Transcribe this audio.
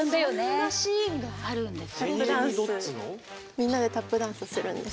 みんなでタップダンスするんです。